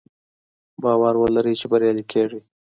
باور ولرئ چې بریالي کیږئ.